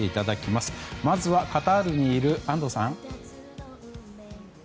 まずはカタールにいる安藤さん。